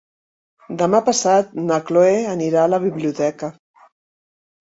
Demà passat na Chloé anirà a la biblioteca.